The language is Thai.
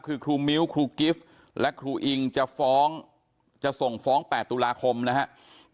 คือครูมิ้วครูกิฟต์และครูอิงจะฟ้องจะส่งฟ้อง๘ตุลาคมนะครับ